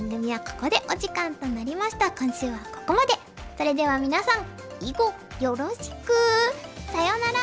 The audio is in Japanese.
それでは皆さんいごよろしく！さようなら。